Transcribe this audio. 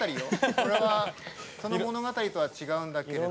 これは、その物語とは違うんだけど。